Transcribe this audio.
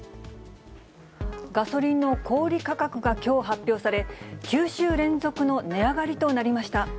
ガソリンの小売り価格がきょう発表され、９週連続の値上がりとなりました。